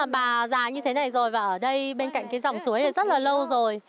bà già như thế này rồi và ở đây bên cạnh cái dòng suối này rất là lâu rồi